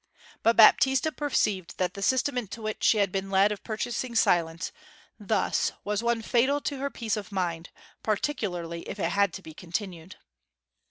But Baptista perceived that the system into which she had been led of purchasing silence thus was one fatal to her peace of mind, particularly if it had to be continued.